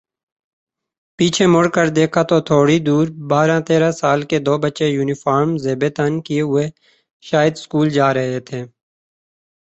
پیچھے مڑ کر دیکھا تو تھوڑی دوربارہ تیرہ سال کے دو بچے یونیفارم زیب تن کئے ہوئے شاید سکول جارہے تھے